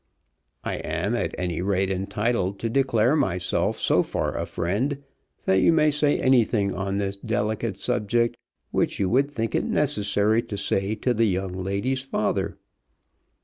I am at any rate entitled to declare myself so far a friend, that you may say anything on this delicate subject which you would think it necessary to say to the young lady's father.